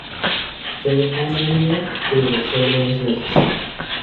Fue una unión que duró sólo unos meses.